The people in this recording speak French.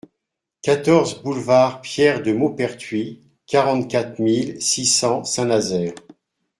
quatorze boulevard Pierre de Maupertuis, quarante-quatre mille six cents Saint-Nazaire